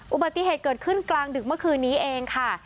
อุบัติเหตุเกิดขึ้นกลางดึกเมื่อคืนนี้เองค่ะ